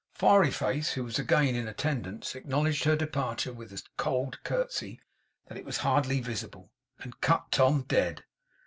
Fiery face, who was again in attendance, acknowledged her departure with so cold a curtsey that it was hardly visible; and cut Tom, dead.